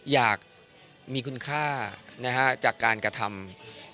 อยากมีคุณค่าจากการกระทำ